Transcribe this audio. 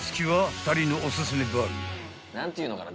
何ていうのかな。